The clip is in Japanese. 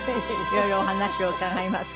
いろいろお話を伺います。